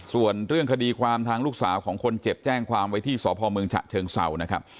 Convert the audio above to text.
ส่วนเรื่องคดีความทางลูกสาวของคนเจ็บแจ้งความไว้ที่สพเมืองฉะเชิงเศร้านะครับ